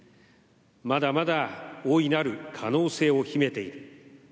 まだまだ大いなる可能性を秘めている。